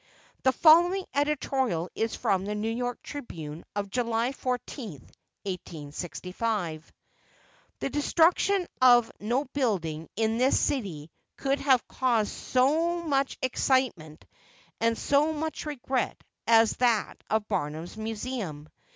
The following editorial is from the New York Tribune, of July 14, 1865: The destruction of no building in this city could have caused so much excitement and so much regret as that of Barnum's Museum.